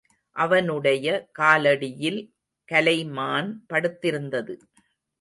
அவனுடைய காலடியில் கலைமான் படுத்திருந்தது.